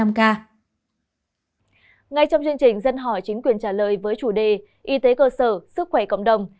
ngay trong chương trình dân hỏi chính quyền trả lời với chủ đề y tế cơ sở sức khỏe cộng đồng